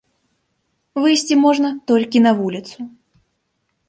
Выйсці можна толькі на вуліцу.